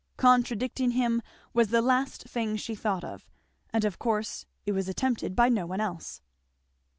Contradicting him was the last thing she thought of, and of course it was attempted by no one else.